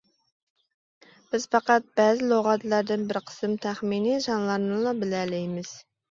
بىز پەقەت بەزى لۇغەتلەردىن بىر قىسىم تەخمىنىي سانلارنىلا بىلەلەيمىز.